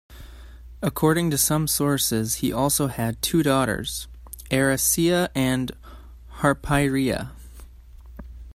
According to some sources, he also had two daughters, Eraseia and Harpyreia.